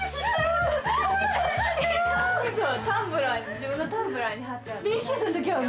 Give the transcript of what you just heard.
自分のタンブラーに貼ってある。